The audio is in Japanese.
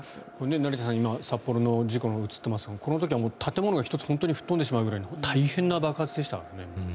成田さん、今札幌の事故のが映っていますがこの時は建物が１つ吹き飛んでしまうぐらい大変な爆発でしたね。